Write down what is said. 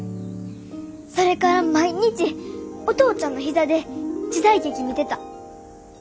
・それから毎日お父ちゃんの膝で時代劇見てた。